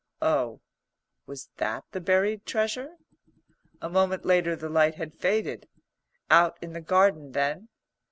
Oh, was that the buried treasure? A moment later the light had faded. Out in the garden then?